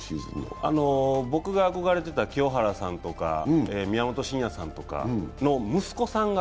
僕が憧れていた清原さんと宮本慎也さんの息子さんが。